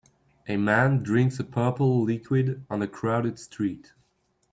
A man drinks a purple liquid on a crowded street.